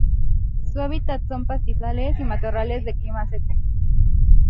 Su hábitat son pastizales y matorrales de clima seco.